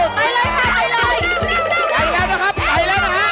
เข้าไหล